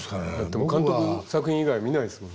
監督作品以外見ないですもん。